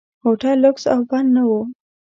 هوټل لکس او بد نه و.